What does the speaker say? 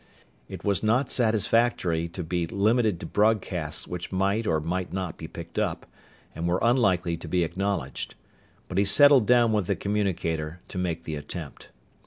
It was not satisfactory to be limited to broadcasts which might or might not be picked up, and were unlikely to be acknowledged. But he settled down with the communicator to make the attempt.